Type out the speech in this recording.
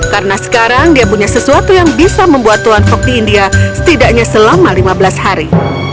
karena sekarang dia punya sesuatu yang bisa membuat tuan fogg di india setidaknya selama lima belas hari